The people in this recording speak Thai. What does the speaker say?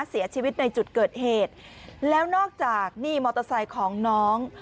เสียชีวิตในจุดเกิดเหตุแล้วนอกจากนี่มอเตอร์ไซค์ของน้อง